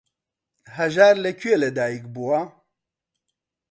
هەژار لە کوێ لەدایک بووە؟